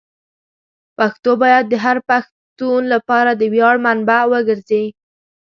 پښتو باید د هر پښتون لپاره د ویاړ منبع وګرځي.